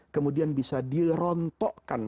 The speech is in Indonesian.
kemudian bisa dirontokkan